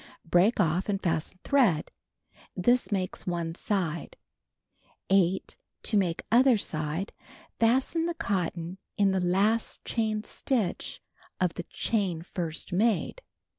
Break off and fasten thread. This makes one side. 8. To make other side. Fasten the cotton in the last chain stitch of the chain first made.